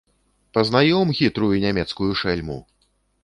Пазнаём хітрую нямецкую шэльму!